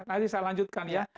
nanti saya lanjutkan ya